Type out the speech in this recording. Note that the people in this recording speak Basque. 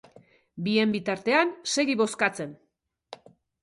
Bien bitartean, segi bozkatzen!